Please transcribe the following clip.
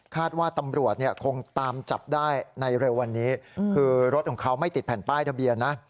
ว่าตำรวจเนี่ยคงตามจับได้ในเร็ววันนี้คือรถของเขาไม่ติดแผ่นป้ายทะเบียนนะ